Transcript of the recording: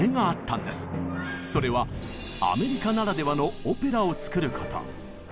それはアメリカならではのオペラを作ること。